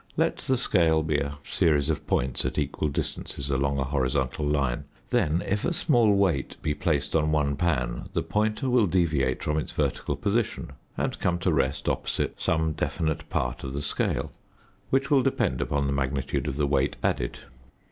Let the scale be a series of points at equal distances along a horizontal line; then, if a small weight be placed on one pan, the pointer will deviate from its vertical position and come to rest opposite some definite part of the scale, which will depend upon the magnitude of the weight added.